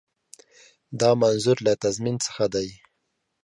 دا منظور له تضمین څخه دی.